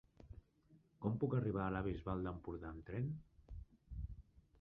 Com puc arribar a la Bisbal d'Empordà amb tren?